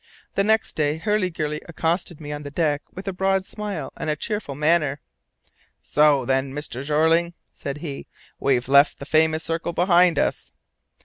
The next day, Hurliguerly accosted me on the deck with a broad smile and a cheerful manner. "So then, Mr. Jeorling," said he, "we've left the famous 'Circle' behind us!"